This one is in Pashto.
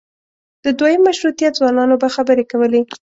د دویم مشروطیت ځوانانو به خبرې کولې.